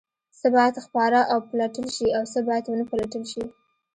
څه باید خپاره او وپلټل شي او څه باید ونه پلټل شي؟